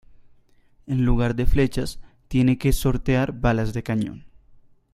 En lugar de flechas, tiene que sortear balas de cañón.